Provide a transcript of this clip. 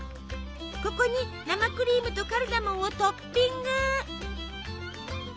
ここに生クリームとカルダモンをトッピング。